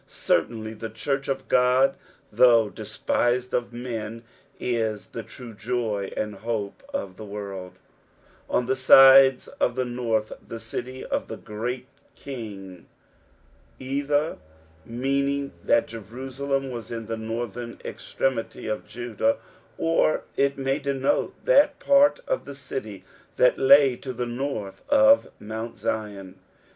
Certainly the church of God, though despised of men, is the true joy and hope of the world. " On the Hde» ^' tht lurrth, the city qf tht great King." Either meaniriK that Jerusalem was in the northern extremity of Judab, or it may denote that part of the city that lay to the north of Mount Zion.